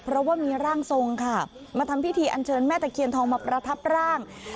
เพราะว่ามีร่างทรงค่ะมาทำพิธีอันเชิญแม่ตะเคียนทองมาประทับร่าง